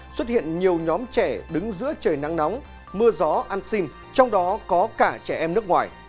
xuất hiện nhiều nhóm trẻ đứng giữa trời nắng nóng mưa gió ăn xin trong đó có cả trẻ em nước ngoài